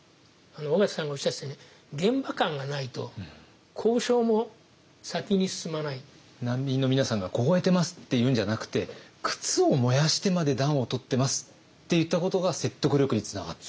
緒方さんがおっしゃってたように「難民の皆さんが凍えてます」って言うんじゃなくて「靴を燃やしてまで暖をとってます」って言ったことが説得力につながった。